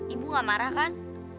ibu gak marah kan